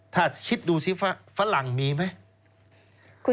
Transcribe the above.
ถ้าคิดดูสิฝรั่งมีไหม